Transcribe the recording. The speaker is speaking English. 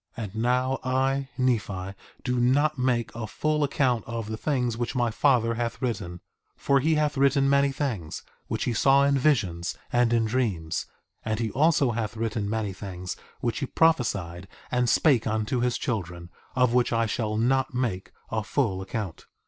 1:16 And now I, Nephi, do not make a full account of the things which my father hath written, for he hath written many things which he saw in visions and in dreams; and he also hath written many things which he prophesied and spake unto his children, of which I shall not make a full account.